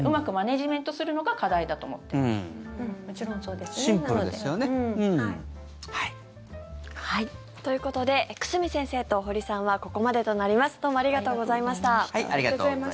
シンプルですよね。ということで久住先生と堀さんはここまでとなります。